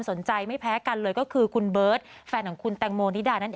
ไม่แพ้กันเลยก็คือคุณเบิร์ตแฟนของคุณแตงโมนิดานั่นเอง